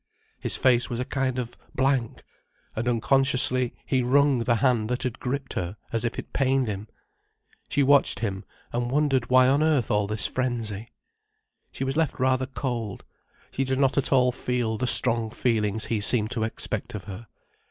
His face was a kind of blank, and unconsciously he wrung the hand that had gripped her, as if it pained him. She watched him, and wondered why on earth all this frenzy. She was left rather cold, she did not at all feel the strong feelings he seemed to expect of her.